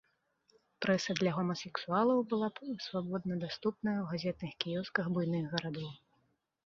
Прэса для гомасексуалаў была свабодна даступная ў газетных кіёсках буйных гарадоў.